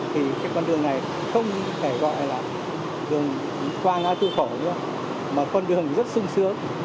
thì cái con đường này không thể gọi là đường quang ngã tư khẩu nữa mà con đường rất sung sướng